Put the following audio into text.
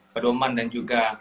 pedoman dan juga